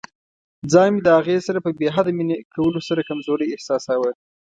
ځان مې د هغې سره په بې حده مینه کولو سره کمزوری احساساوه.